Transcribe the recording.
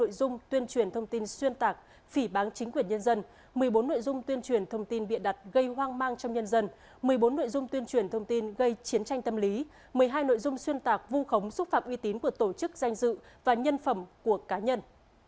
nội dung tuyên truyền thông tin xuyên tạc phỉ bán chính quyền nhân dân một mươi bốn nội dung tuyên truyền thông tin bịa đặt gây hoang mang trong nhân dân một mươi bốn nội dung tuyên truyền thông tin gây chiến tranh tâm lý một mươi hai nội dung xuyên tạc vu khống xúc phạm uy tín của tổ chức danh dự và nhân phẩm của cá nhân